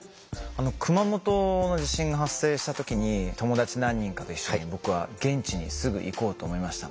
熊本の地震が発生した時に友達何人かと一緒に僕は現地にすぐ行こうと思いました。